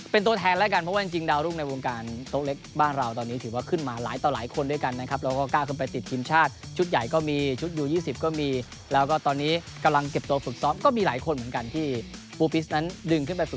เป็นตัวแทนแล้วกันเพราะว่าจริง